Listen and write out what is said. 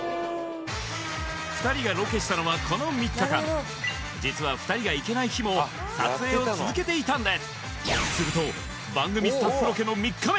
２人がロケしたのはこの３日間実は２人が行けない日も撮影を続けていたんですすると番組スタッフロケの３日目！